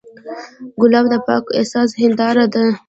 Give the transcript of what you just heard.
ګلاب د پاک احساس هنداره ده.